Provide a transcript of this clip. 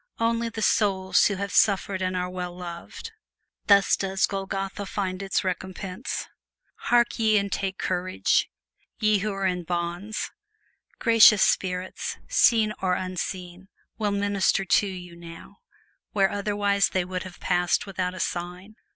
Only the souls who have suffered are well loved. Thus does Golgotha find its recompense. Hark ye and take courage, ye who are in bonds! Gracious spirits, seen or unseen, will minister to you now, where otherwise they would have passed without a sign!